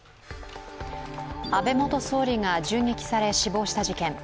安倍元総理が銃撃され、死亡した事件。